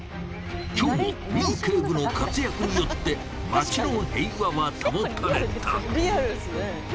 今日もミウ警部の活躍によって街の平和は保たれた。